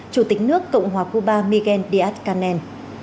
chủ tịch nước cộng hòa cuba miguel díaz canel